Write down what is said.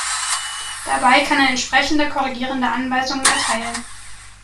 Dabei kann er entsprechende korrigierende Anweisungen erteilen.